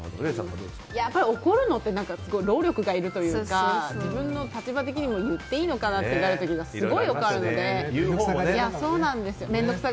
やっぱり怒るのって労力がいるというか自分の立場的にも言っていいのかなってなる時がすごいよくあるので。